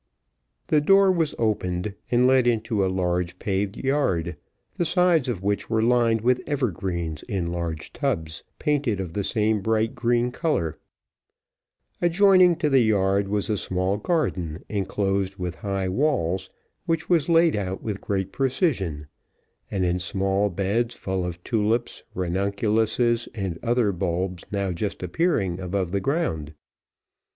The door was opened, and led into a large paved yard, the sides of which were lined with evergreens in large tubs, painted of the same bright green colour; adjoining to the yard was a small garden enclosed with high walls, which was laid out with great precision, and in small beds full of tulips, ranunculuses, and other bulbs now just appearing above the ground.